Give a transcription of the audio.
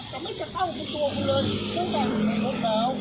แต่ไม่จัดการกับตัวเขาเลยตั้งแต่หลุมรถแล้ว